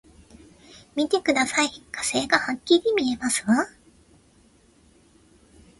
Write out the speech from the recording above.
見てください、火星がはっきり見えますわ！